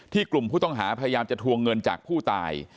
กลุ่มผู้ต้องหาพยายามจะทวงเงินจากผู้ตาย